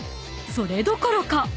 ［それどころか］